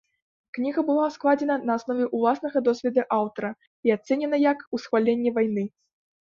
Кніга была складзена на аснове ўласнага досведу аўтара і ацэненая як усхваленне вайны.